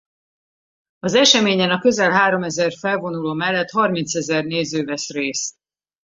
Az eseményen a közel háromezer felvonuló mellett harmincezer néző vesz részt.